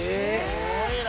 すごいな！